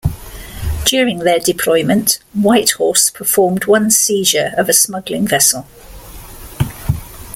During their deployment, "Whitehorse" performed one seizure of a smuggling vessel.